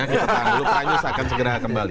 kita tangguh pranyus akan segera kembali